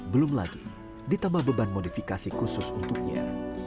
belum lagi ditambah beban modifikasi khusus untuknya